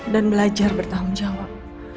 dan belajar bertanggung jawab